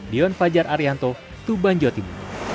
dion fajar arianto tuban jotim